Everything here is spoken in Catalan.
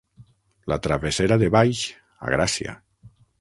La Travessera de Baix, a Gràcia.